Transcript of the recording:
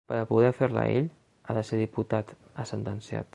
Per a poder fer-la ell ha de ser diputat, ha sentenciat.